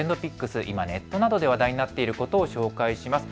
今ネットなどで話題になっていることを紹介します。